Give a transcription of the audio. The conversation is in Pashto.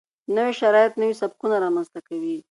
نوي شرایط نوي سبکونه رامنځته کوي.